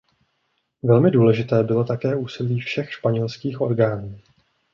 Velmi důležité bylo také úsilí všech španělských orgánů.